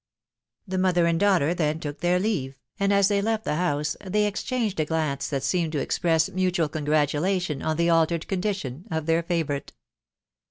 The mother and daughter then took, leave, and aa they left the house, they exchanged a glance that seemed to express mutual congratulation on the altered condition of their favourite.